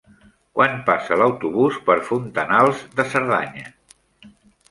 Quan passa l'autobús per Fontanals de Cerdanya?